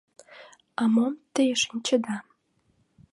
— А мом те шинчеда?